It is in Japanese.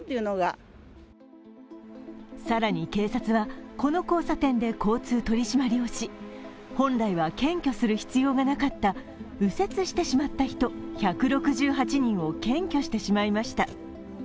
更に警察は、この交差点で交通取り締まりをし、本来は検挙する必要がなかった右折してしまった人、１６８人を検挙してしまいました。